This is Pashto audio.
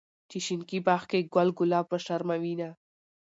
چې شينکي باغ کې ګل ګلاب وشرمووينه